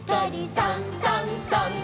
「さんさんさん」